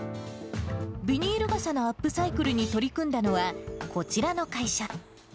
ビニール傘のアップサイクルに取り組んだのは、こちらの会社。